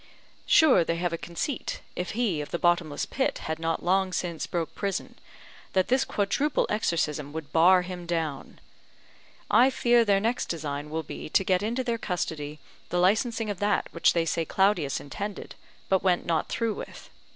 Sure they have a conceit, if he of the bottomless pit had not long since broke prison, that this quadruple exorcism would bar him down. I fear their next design will be to get into their custody the licensing of that which they say Claudius intended, but went not through with.